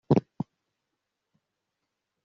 gutekereza kubyijoro rya nijoro